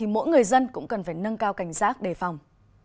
mỗi người dân cũng cần phải nâng cao cảnh giác đề phòng